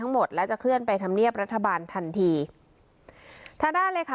หมดและจะเคลื่อนไปธรรมเนียบรัฐบาลทันทีทางด้านเลยค่ะ